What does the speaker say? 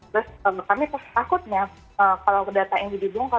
terus kami terus takutnya kalau data ini dibungkau